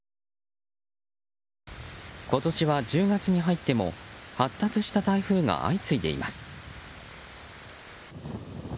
今年は１０月に入っても発達した台風が相次いでいます。